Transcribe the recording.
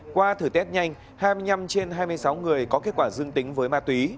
qua thử test nhanh hai mươi năm trên hai mươi sáu người có kết quả dương tính với ma túy